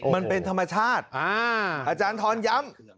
มันเป็นธรรมชาติอาจารย์ทรย้ำ